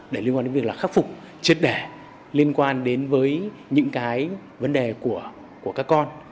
để liên quan đến việc là khắc phục triệt đẻ liên quan đến với những cái vấn đề của các con